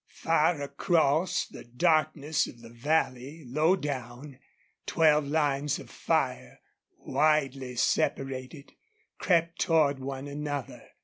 Far across the darkness of the valley, low down, twelve lines of fire, widely separated, crept toward one another.